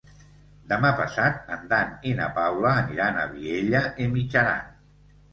Demà passat en Dan i na Paula aniran a Vielha e Mijaran.